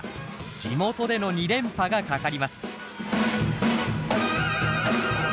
地元での２連覇がかかります。